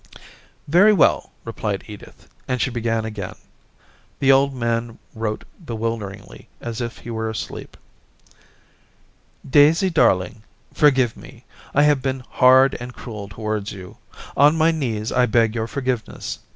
* Very well,' replied Edith, and she began again ; the old man wrote bewilderedly, as if he were asleep. 'Daisy Darling, —... Forgive me! ... I have been hard and cruel towards you. ... On my knees I beg your forgiveness.